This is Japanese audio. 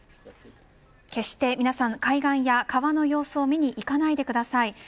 決して海岸や川の様子を見に行かないでください。